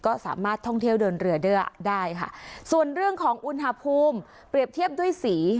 ก็สามารถท่องเที่ยวเดินเรือด้วยได้ค่ะส่วนเรื่องของอุณหภูมิเปรียบเทียบด้วยสี